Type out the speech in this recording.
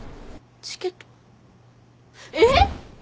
チケット？えっ！？